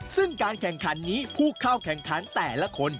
ซึ่งการแข่งขันนี้ผู้เข้าแข่งขันแต่ละคน